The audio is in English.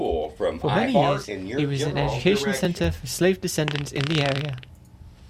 For many years, it was an education center for slave descendants in the area.